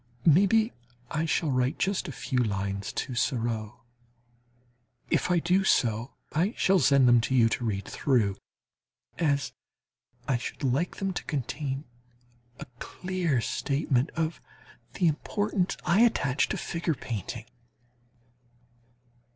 Maybe I shall write just a few lines to Seurat. If I do so, I shall send them to you to read through, as I should like them to contain a clear statement of the importance I attach to figure painting.